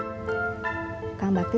sama kang bakti